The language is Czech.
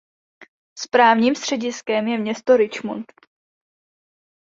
Správním střediskem je město Richmond.